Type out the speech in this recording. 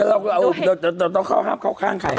เราต้องเข้าข้างใคร